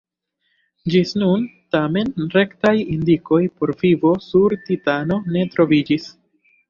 Ĝis nun, tamen, rektaj indikoj por vivo sur Titano ne troviĝis.